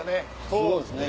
そうですね。